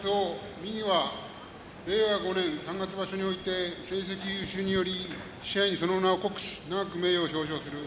右は令和５年三月場所において成績優秀により賜盃に、その名を刻し永く名誉を表彰する。